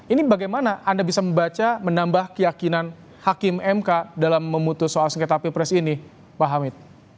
ini bagaimana anda bisa membaca menambah keyakinan hakim mk dalam memutus soal sengketa pilpres ini pak hamid